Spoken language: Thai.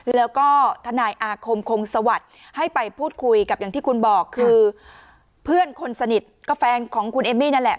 แล้วก็ทนายอาคมคงสวัสดิ์ให้ไปพูดคุยกับอย่างที่คุณบอกคือเพื่อนคนสนิทก็แฟนของคุณเอมมี่นั่นแหละ